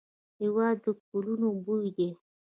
هېواد د ګلونو بوی دی.